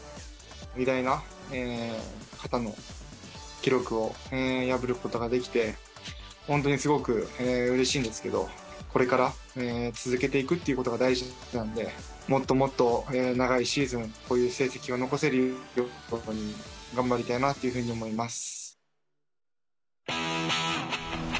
偉大な方の記録を破ることができて、本当にすごくうれしいんですけど、これから続けていくってことが大事なんで、もっともっと長いシーズン、こういう成績を残せるように頑張りたいなというふうに思います。